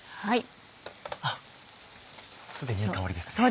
あっ既にいい香りですね。